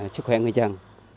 chức khỏe người dân